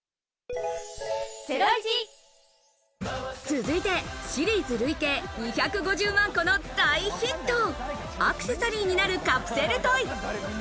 続いてシリーズ累計２５０万個の大ヒット、アクセサリーになるカプセルトイ。